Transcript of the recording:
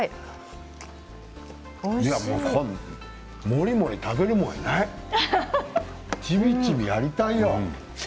もりもり食べるものやないちびちびやりたいよ。